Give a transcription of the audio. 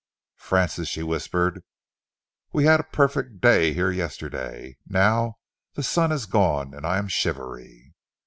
"Francis," she whispered, "we had a perfect day here yesterday. Now the sun has gone and I am shivery."